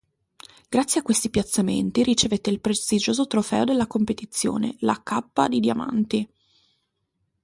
Grazie a questi piazzamenti ricevette il prestigioso trofeo della competizione, la "K" di diamanti.